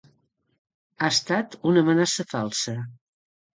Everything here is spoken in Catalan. Ha estat una amenaça falsa.